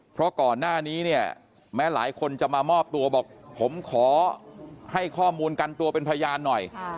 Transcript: เพราะก่อนหน้านี้เนี่ยแม้หลายคนจะมามอบตัวบอกผมขอให้ข้อมูลกันตัวเป็นพยานหน่อย